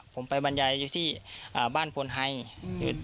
ผมไปบรรยายอยู่ที่บ้านพลไฮอยู่